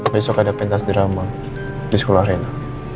besok ada pentas drama di sekolah arena